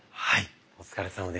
はい。